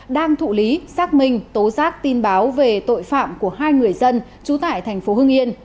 đang thụ lý xác minh tố giác tin báo về tội phạm của hai người dân trú tại thành phố hưng yên